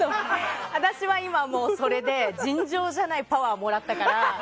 私は今、それで尋常じゃないパワーをもらったから。